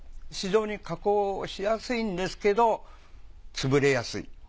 非常に加工しやすいんですけどつぶれやすい。